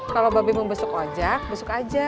kalau babi mau besuk ojak besuk aja